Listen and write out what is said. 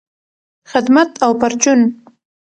خدمت او پرچون